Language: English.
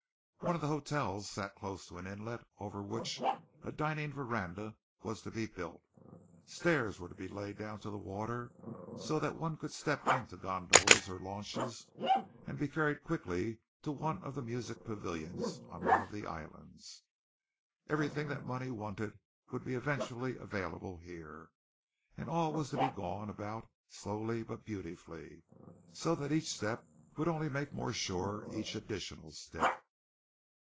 One of the hotels sat close to an inlet over which a dining veranda was to be built stairs were to be laid down to the water so that one could step into gondolas or launches and be carried quickly to one of the music pavilions on one of the islands. Everything that money wanted was to be eventually available here, and all was to be gone about slowly but beautifully, so that each step would only make more sure each additional step.